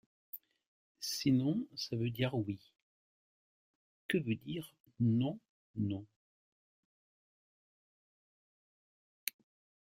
Si non ça veut dire oui, que veut dire non non?